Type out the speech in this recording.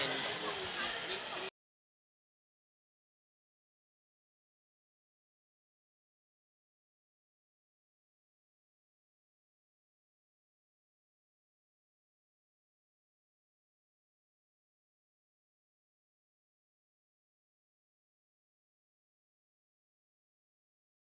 สถานที่สุดท้ายของเมืองและเป็นสถานที่สุดท้ายของอัศวินธรรมชาติ